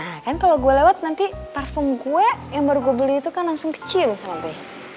nah kan kalau gue lewat nanti parfum gue yang baru gue beli itu kan langsung kecil sama gue